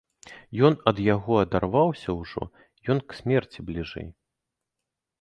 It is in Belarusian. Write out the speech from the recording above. Ён ад яго адарваўся ўжо, ён к смерці бліжэй.